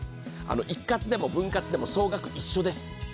一括でも分割でも総額、一緒です。